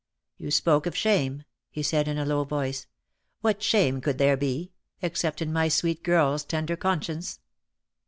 .'.. "You spoke of shame," he said in a low voice. "What shame could there be — except in my sweet girl's tender conscience?"